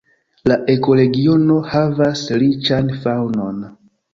La ekoregiono havas riĉan faŭnon.